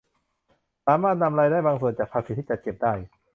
สามารถนำรายได้บางส่วนจากภาษีที่จัดเก็บได้